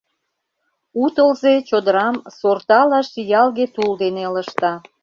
У тылзе чодырам сортала шиялге тул дене ылыжта.